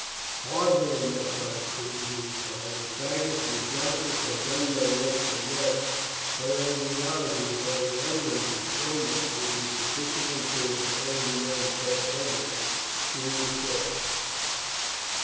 "Hardly in that time, queen," he replied. "The faggots will doubtless have done their work by then, but it will be hours before the embers and stonework will be sufficiently cool to enable men to pass over them to the assault."